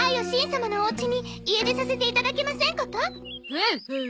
ほうほう！